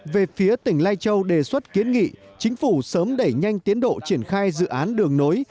về phía tỉnh lai châu đề xuất kiến nghị chính phủ sớm đẩy nhanh tiến độ triển khai dự án đường nối